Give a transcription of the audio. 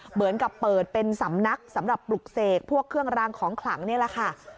เหมือนกับเปิดเป็นสำนักสำหรับปลุกเสกพวกเครื่องรางของขลังนี่แหละค่ะ